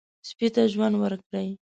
سپي ته ژوند ورکړئ.